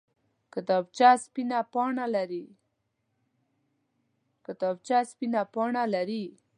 کتابچه سپینه پاڼه لري